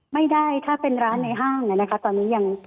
ไม่ได้ถ้าเป็นร้านในห้างนะคะตอนนี้ยัง